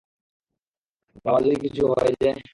বাবার যদি কিছু হয় যায়?